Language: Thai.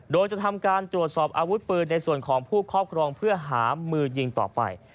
โดยจะทำการตรวจสอบอาวุธปืนในส่วนของผู้ครอบครองเพื่อหามือยิงต่อไป